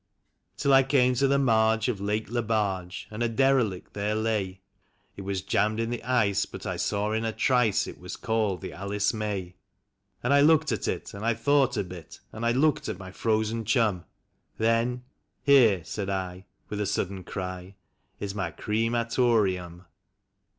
Till I came to the marge of Lake Lebarge, and a dere lict there lay; It was jammed in the ice, but I saw in a trice it was called the '' Alice May." And I looked at it, and I thought a bit, and I looked at my frozen chum: Then, " Here," said I, with a sudden cry, " is my cre ma tor eum."